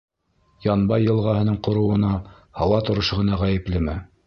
Янбай йылғаһының ҡороуына һауа торошо ғына ғәйеплеме?